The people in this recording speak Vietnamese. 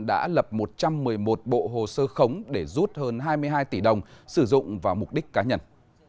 đã lập một trăm một mươi một bộ hồ sơ khống để rút hơn hai mươi hai tỷ đồng sử dụng vào mục đích cá nhân